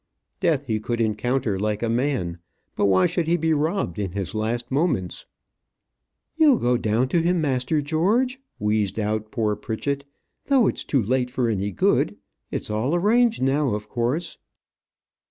Death he could encounter like a man; but why should he be robbed in his last moments? "You'll go down to him, master George," wheezed out poor Pritchett. "Though it's too late for any good. It's all arranged now, of course."